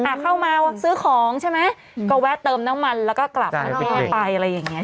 เข้ามาซื้อของใช่ไหมก็แวะเติมน้ำมันแล้วก็กลับบ้านไปอะไรอย่างเงี้